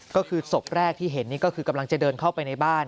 ก็คือศพแรกที่เห็นนี่ก็คือกำลังจะเดินเข้าไปในบ้าน